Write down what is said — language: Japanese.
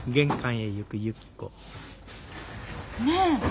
ねえ！